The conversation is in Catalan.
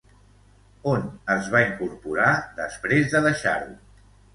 On es va incorporar, després de deixar-ho?